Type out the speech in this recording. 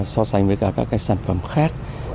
so sánh với các sản phẩm khác